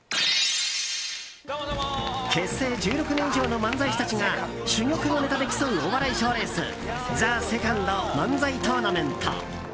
結成１６年以上の漫才師たちが珠玉のネタで競うお笑い賞レース「ＴＨＥＳＥＣＯＮＤ漫才トーナメント」。